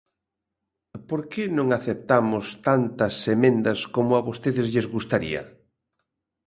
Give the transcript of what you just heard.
¿Por que non aceptamos tantas emendas como a vostedes lles gustaría?